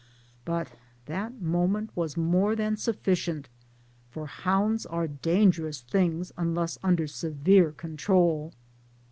But that moment was more than sufficient for hounds are dangerous things unless under severe control.